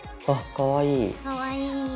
かわいい。